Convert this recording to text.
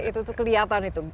itu kelihatan itu